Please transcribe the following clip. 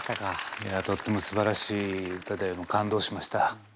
いやとってもすばらしい歌で感動しました。